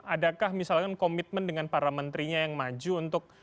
adakah misalkan komitmen dengan para menterinya yang maju untuk